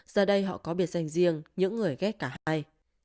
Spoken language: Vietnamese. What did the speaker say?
giờ đây họ có biệt danh riêng những người ghét cả hai